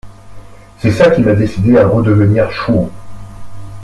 C'est ça qui m'a décidé à redevenir chouan.